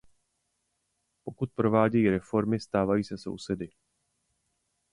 Pokud provádějí reformy, stávají se sousedy.